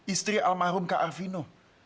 istri almarhum kak arvino